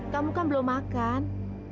kamu belum makan